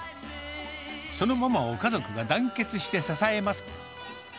そのママを家族が団結して支えます。